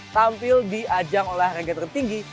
tampil di ajang olahraga tertinggi